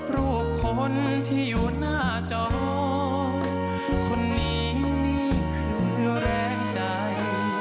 รูปคนที่อยู่หน้าจอคนนี้นี่คือแรงใจ